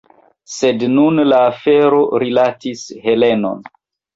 Sed nun la afero rilatis Helenon.